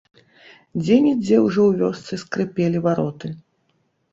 Дзе-нідзе ўжо ў вёсцы скрыпелі вароты.